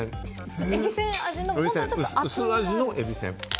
薄味のえびせん。